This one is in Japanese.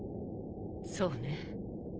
そうね